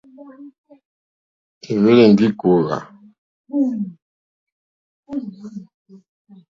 É hwélì ndí kòòhvà.